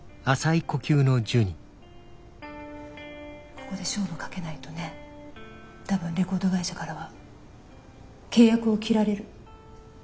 ここで勝負かけないとね多分レコード会社からは契約を切られる。